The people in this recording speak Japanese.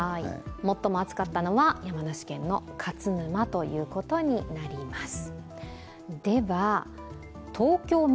最も暑かったのは山梨県の勝沼ということになります。